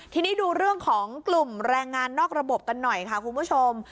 ทีนี้ดูเรื่องของกลุ่มแรงงานนอกระบบกันหน่อยค่ะคุณผู้ชม